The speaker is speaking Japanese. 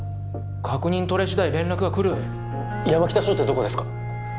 確認取れ次第連絡が来る山北署ってどこですか？